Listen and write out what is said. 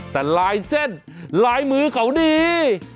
แต่ลายเส้นลายมือเขาดี